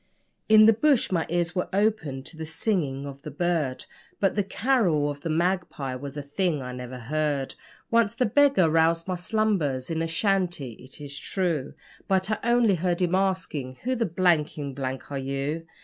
In the bush my ears were opened to the singing of the bird, But the 'carol of the magpie' was a thing I never heard. Once the beggar roused my slumbers in a shanty, it is true, But I only heard him asking, 'Who the blanky blank are you?'